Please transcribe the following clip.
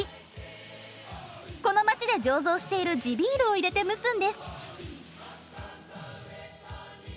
この街で醸造している地ビールを入れて蒸すんです！